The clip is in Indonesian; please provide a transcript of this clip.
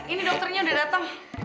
ini dokternya udah datang